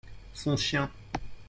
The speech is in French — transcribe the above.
Son chien.